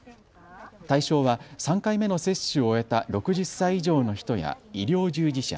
対象は３回目の接種を終えた６０歳以上の人や医療従事者